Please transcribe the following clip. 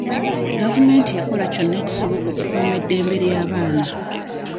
Gavumenti ekola kyonna ekisoboka okukuuma eddembe ly'abaana.